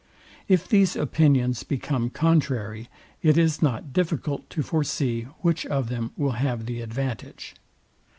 If these opinions become contrary, it is not difficult to foresee which of them will have the advantage.